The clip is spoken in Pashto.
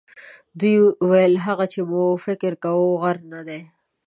دوی ویل هغه چې موږ فکر کاوه غر نه دی.